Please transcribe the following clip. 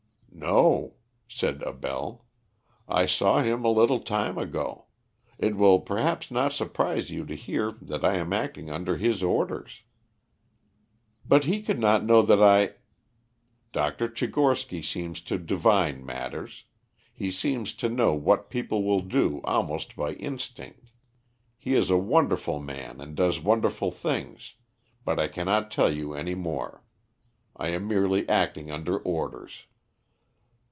"No," said Abell. "I saw him a little time ago. It will perhaps not surprise you to hear that I am acting under his orders." "But he could not know that I " "Dr. Tchigorsky seems to divine matters. He seems to know what people will do almost by instinct. He is a wonderful man and does wonderful things. But I cannot tell you any more; I am merely acting under orders."